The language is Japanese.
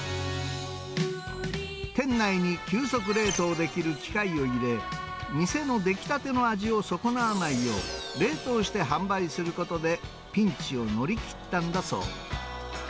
店内に急速冷凍できる機械を入れ、店の出来たての味を損なわないよう、冷凍して販売することで、ピンチを乗り切ったんだそう。